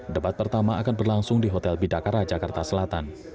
debat pertama akan berlangsung di hotel bidakara jakarta selatan